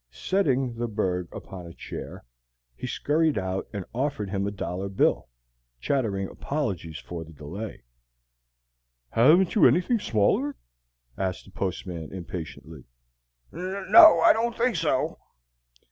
Setting the berg upon a chair, he scurried out, and offered him a dollar bill, chattering apologies for the delay. "Haven't you anything smaller?" asked the postman, impatiently. "N no, I d don't think so."